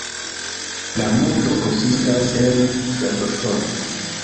La monto konsistas el sabloŝtono.